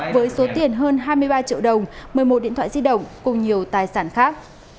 với số tiền hơn hai mươi ba triệu đồng một mươi một điện thoại di động cùng nhiều tài sản khác